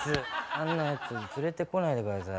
あんなやつ連れてこないで下さい。